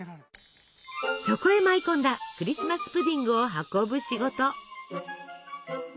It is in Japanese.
そこへ舞い込んだクリスマス・プディングを運ぶ仕事。